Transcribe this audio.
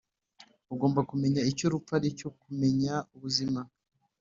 ugomba kumenya icyo urupfu aricyo kumenya ubuzima.